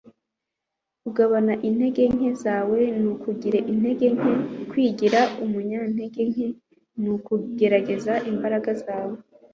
kugabana intege nke zawe ni ukugira intege nke; kwigira umunyantege nke ni ukugaragaza imbaraga zawe